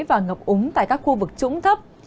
và ngập úng tại các khu vực trũng thấp